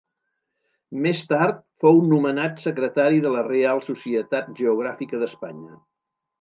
Més tard fou nomenat secretari de la Reial Societat Geogràfica d'Espanya.